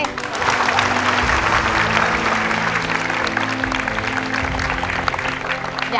ไม่ครับ